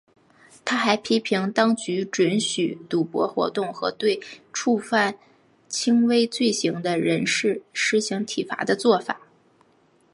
他还批评当局准许赌博活动和对触犯轻微罪行的人士施行体罚的作法。